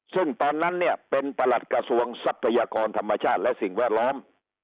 ซึ่งตอนนั้นเนี่ยเป็นประหลัดกระทรวงทรัพยากรธรรมชาติและสิ่งแวดล้อม